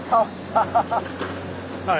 はい。